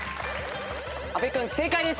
阿部君正解です。